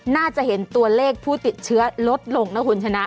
น่าจะเห็นตัวเลขผู้ติดเชื้อลดลงนะคุณชนะ